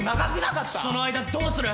その間どうする？